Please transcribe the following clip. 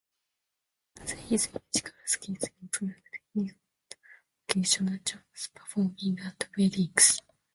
As his musical skills improved, he got occasional jobs performing at weddings.